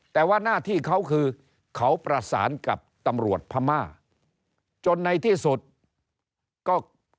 แต่ว่าหน้าที่เขาคือเขาประสานกับตำรวจพม่าจนในที่สุดก็